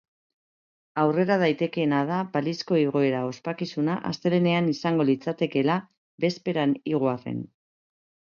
Aurrera daitekeena da balizko igoera ospakizuna astelehenean izango litzatekeela bezperan igo arren.